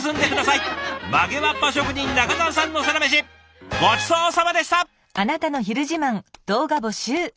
曲げわっぱ職人仲澤さんのサラメシごちそうさまでした！